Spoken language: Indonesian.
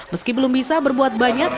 meski belum bisa berbuat banyak